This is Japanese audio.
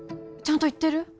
ちゃんと行ってる？